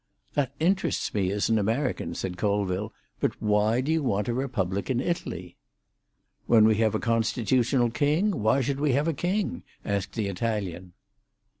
"That interests me as an American," said Colville. "But why do you want a republic in Italy?" "When we have a constitutional king, why should we have a king?" asked the Italian.